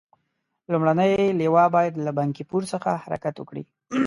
لومړنۍ لواء باید له بنکي پور څخه حرکت وکړي.